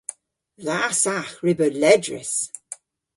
Dha sagh re beu ledrys.